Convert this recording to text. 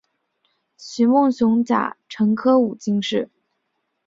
徐梦熊甲辰科武进士。